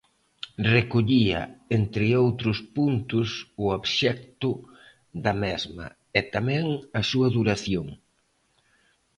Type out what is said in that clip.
Recollía entre outros puntos o obxecto da mesma e tamén a súa duración.